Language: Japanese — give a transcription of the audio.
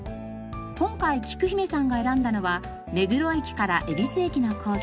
今回きく姫さんが選んだのは目黒駅から恵比寿駅のコース。